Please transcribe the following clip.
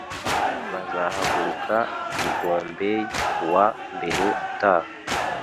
Bazahaguruka i Bombay kuwa mbere utaha